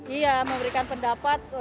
iya memberikan pendapat